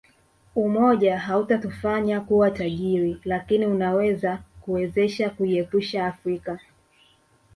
Umoja hautatufanya kuwa tajiri lakini unaweza kuwezesha kuiepusha Afrika